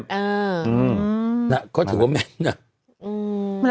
เขาถือว่าแม่น